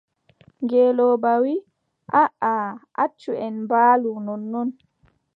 Ngeelooba wii: aaʼa accu en mbaalu nonnon.